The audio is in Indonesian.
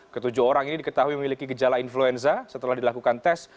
ketujuh orang ini diketahui memiliki gejala influenza setelah dilakukan tes